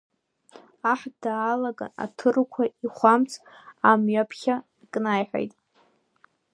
Аҳ даалаган аҭырқәа ихәамц амҩаԥхьа икнаиҳаит.